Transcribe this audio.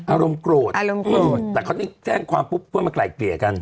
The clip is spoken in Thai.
อารมณ์โกรธอารมณ์โกรธแต่เขานี่แจ้งความปุ๊บเพื่อมาไกล่เกลี่ยกัน